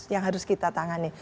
yang harus kita tangani